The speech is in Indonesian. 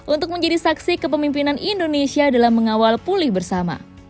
untuk menjadi saksi kepemimpinan indonesia dalam mengawal pulih bersama